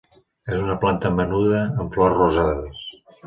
És una planta menuda amb flors rosades.